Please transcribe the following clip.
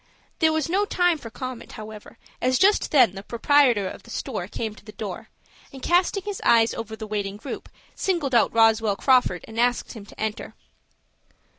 There was no time for comment, however, as just then the proprietor of the store came to the door, and, casting his eyes over the waiting group, singled out Roswell Crawford, and asked him to enter.